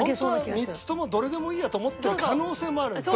ホントは３つともどれでもいいやと思ってる可能性もある。